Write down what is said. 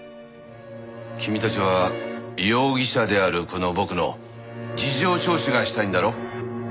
君たちは容疑者であるこの僕の事情聴取がしたいんだろ？